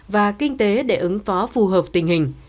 và kinh tế để ứng phó phù hợp tình hình